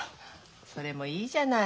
それもいいじゃない。